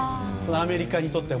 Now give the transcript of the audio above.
アメリカにとっては。